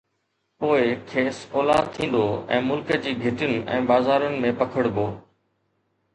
پوءِ کيس اولاد ٿيندو ۽ ملڪ جي گهٽين ۽ بازارن ۾ پکڙبو.